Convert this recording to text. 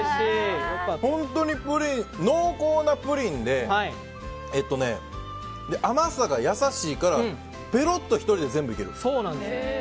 本当に濃厚なプリンで甘さが優しいからペロッと１人で全部いける。